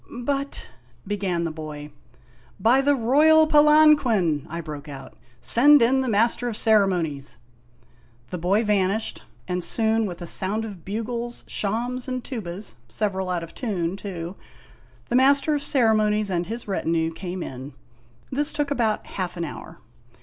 " But " began the boy. " By the royal Palanquin ! I broke out ;" send in the Master of Ceremonies !' The boy vanished, and soon with a sound of bugles, shawms, and tubas (several out ot tune, too), the Master of Ceremonies, and his retinue, came in. This took about half an hour.